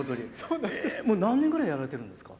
もう何年ぐらいやられてるんですか？